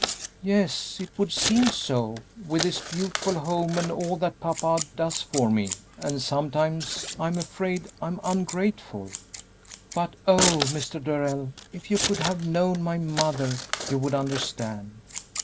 "Yes, it would seem so, with this beautiful home and all that papa does for me, and sometimes I'm afraid I'm ungrateful. But oh, Mr. Darrell, if you could have known my mother, you would understand!